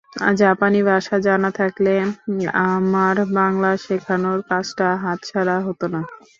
জাপানি ভাষা জানা থাকলে আমার বাংলা শেখানোর কাজটা হাতছাড়া হতো না।